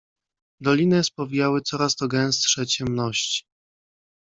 "Dolinę spowijały coraz to gęstsze ciemności."